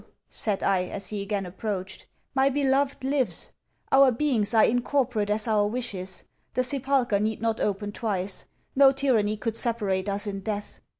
'No,' said I, as he again approached, 'my beloved lives. Our beings are incorporate as our wishes. The sepulchre need not open twice. No tyranny could separate us in death.